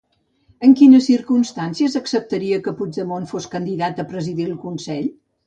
En quines circumstàncies acceptaria que Puigdemont fos candidat a presidir el consell?